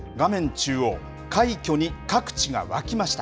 中央、快挙に各地が沸きました。